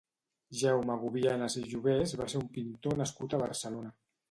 Jaume Gubianas i Jovés va ser un pintor nascut a Barcelona.